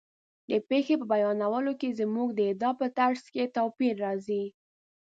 د پېښې په بیانولو کې زموږ د ادا په طرز کې توپیر راځي.